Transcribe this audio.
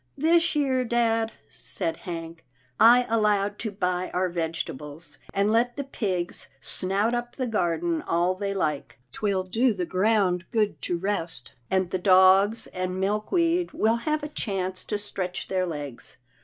" This year, dad," said Hank, " I allowed to buy our vegetables, and let the pigs snout up the garden all they like. 'Twill do the ground good to rest, and the dogs and Milkweed will have a chance to stretch their legs.